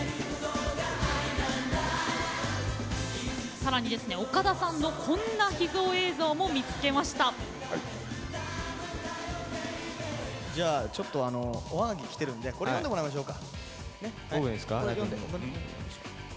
そして岡田さんのこんな秘蔵映像もじゃあ、ちょっとおはがきがきているんでこれ読んでもらいましょうか。